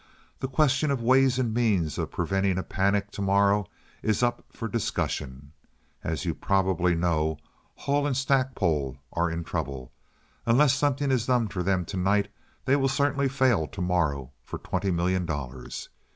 The question of ways and means of preventing a panic to morrow is up for discussion. As you probably know, Hull & Stackpole are in trouble. Unless something is done for them tonight they will certainly fail to morrow for twenty million dollars.